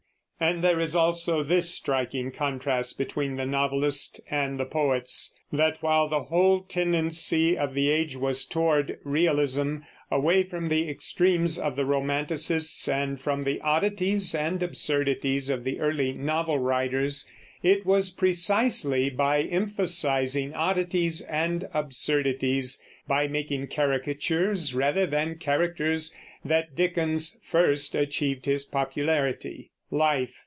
And there is also this striking contrast between the novelist and the poets, that while the whole tendency of the age was toward realism, away from the extremes of the romanticists and from the oddities and absurdities of the early novel writers, it was precisely by emphasizing oddities and absurdities, by making caricatures rather than characters, that Dickens first achieved his popularity. LIFE.